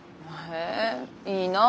えいいなあ。